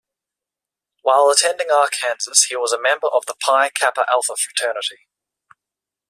While attending Arkansas, he was a member of the Pi Kappa Alpha Fraternity.